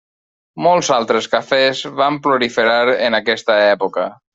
Molts altres cafès van proliferar en aquesta època.